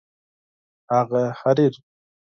هغه حریر